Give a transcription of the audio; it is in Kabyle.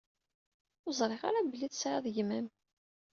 Ur ẓṛiɣ ara belli tesɛiḍ gma-m.